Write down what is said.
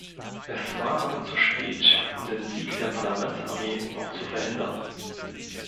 Es war aber zu spät, um den Sieg der Parlamentsarmee noch zu verhindern.